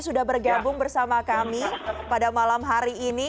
sudah bergabung bersama kami pada malam hari ini